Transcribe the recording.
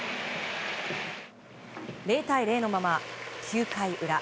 ０対０のまま９回裏。